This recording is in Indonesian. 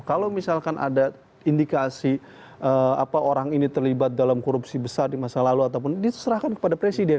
kalau misalkan ada indikasi orang ini terlibat dalam korupsi besar di masa lalu ataupun diserahkan kepada presiden